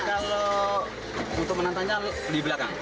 kalau untuk menantangnya di belakang